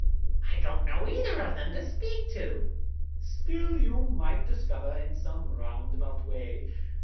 I don't know either of them to speak to." "Still you might discover, in some roundabout way.